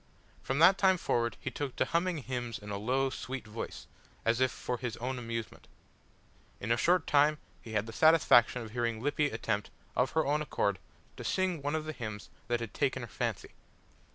From that time forward he took to humming hymns in a low, sweet voice, as if for his own amusement. In a short time he had the satisfaction of hearing Lippy attempt, of her own accord, to sing one of the hymns that had taken her fancy.